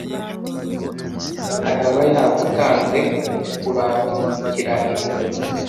araba yagutanze urancumbikira irijoro".